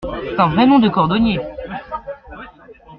C’est un vrai nom de cordonnier !